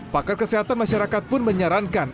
pakar kesehatan masyarakat pun menyarankan